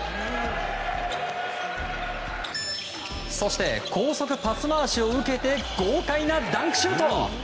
そして高速パス回しを受けて豪快なダンクシュート！